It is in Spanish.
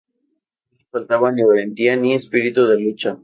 No le faltaba ni valentía ni espíritu de lucha.